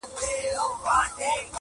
پر بګړۍ به وي زلمیو ګل ټومبلي!.